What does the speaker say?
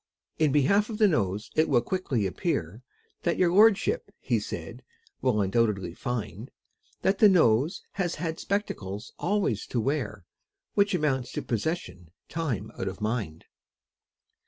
In behalf of the Nose it will quickly appear, And your lordship, he said, will undoubtedly find, That the Nose has had spectacles always to wear, Which amounts to possession time out of mind.